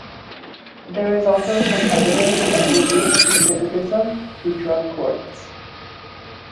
There is also some evidence of reduced recidivism through Drug courts.